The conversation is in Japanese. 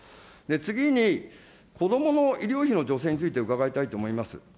次に、子どもの医療費の助成について伺いたいと思います。